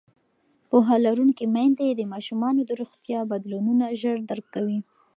پوهه لرونکې میندې د ماشومانو د روغتیا بدلونونه ژر درک کوي.